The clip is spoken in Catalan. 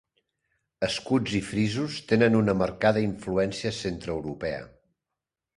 Escuts i frisos tenen una marcada influència centreeuropea.